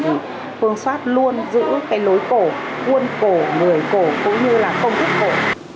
thì phương xoát luôn giữ cái lối cổ nguồn cổ người cổ cũng như là công thức cổ